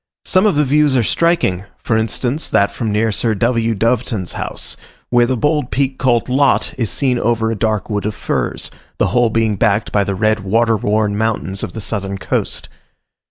Some of the views are striking, for instance that from near Sir W. Doveton's house, where the bold peak called Lot is seen over a dark wood of firs, the whole being backed by the red water worn mountains of the southern coast.